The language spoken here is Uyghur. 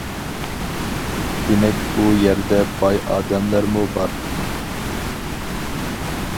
دېمەك، ئۇ يەردە باي ئادەملەرمۇ بار.